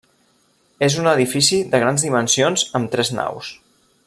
És un edifici de grans dimensions amb tres naus.